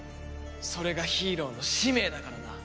それがヒーローの使命だからな。